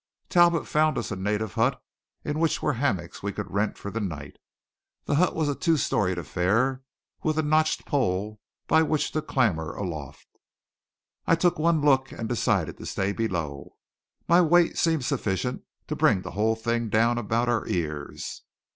Talbot found us a native hut in which were hammocks we could rent for the night. The hut was a two storied affair, with a notched pole by which to clamber aloft. I took one look and decided to stay below. My weight seemed sufficient to bring the whole thing down about our ears.